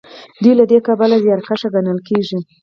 دوی له دې کبله زیارکښ ګڼل کیږي.